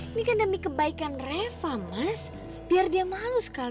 ini kan demi kebaikan reva mas biar dia malu sekali